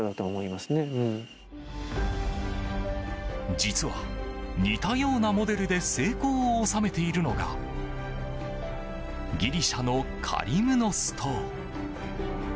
実は似たようなモデルで成功を収めているのがギリシャのカリムノス島。